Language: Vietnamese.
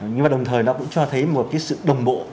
nhưng mà đồng thời nó cũng cho thấy một cái sự đồng bộ